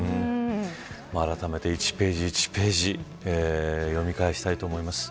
あらためて、１ページ１ページ読み返したいと思います。